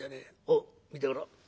おっ見てみろ。